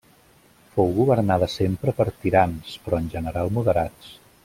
Fou governada sempre per tirans, però en general moderats.